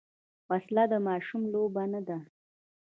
وسله د ماشوم لوبه نه ده